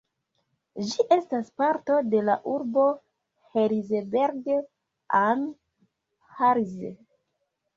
Ĝi estas parto de la urbo Herzberg am Harz.